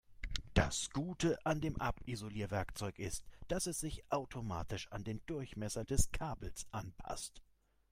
Das Gute an dem Abisolierwerkzeug ist, dass es sich automatisch an den Durchmesser des Kabels anpasst.